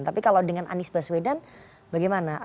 tapi kalau dengan anies baswedan bagaimana